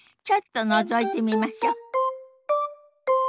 ちょっとのぞいてみましょ。